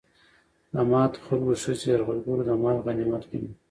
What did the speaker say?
د ماتو خلکو ښځې يرغلګرو د مال غنميت غوندې